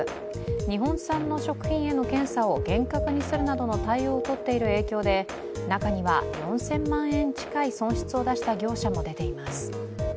日本産の食品への検査を厳格にするなどの対応をとっている影響で中には４０００万円近い損失を出した業者も出ています。